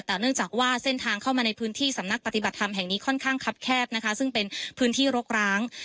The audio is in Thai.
แต่เนื่องจากว่าเส้นทางเข้ามาในพื้นที่สำนักปฏิบัติธรรมแห่งนี้ค่อนข้างคับแคบนะคะซึ่งเป็นพื้นที่รกร้าง